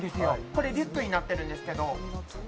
これ、リュックになってるんですけど。